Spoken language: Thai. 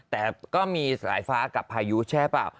แต่ก็มีสายฟ้ากับพายุแช่เปล่า